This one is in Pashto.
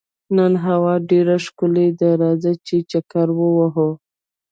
نن هوا ډېره ښکلې ده، راځه چې چکر ووهو.